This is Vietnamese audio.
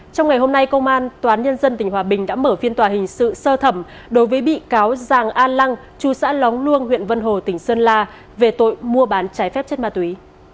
trong ngày hôm nay công an toán nhân dân tỉnh hòa bình đã mở phiên tòa hình sự sơ thẩm đối với bị cáo giàng a lăng chú xã lóng luông huyện vân hồ tỉnh sơn la về tội mua bán trái phép chất ma túy